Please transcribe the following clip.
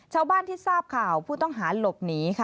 ชาวบ้านที่ทราบข่าวผู้ต้องหาหลบหนีค่ะ